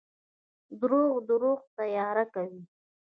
• دروغ د روح تیاره کوي.